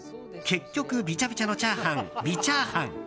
結局、ビチャビチャのチャーハン、ビチャーハン。